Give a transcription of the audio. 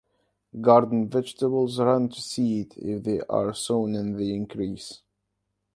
Garden vegetables run to seed if they are sown in the increase.